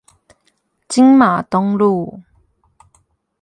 金馬東路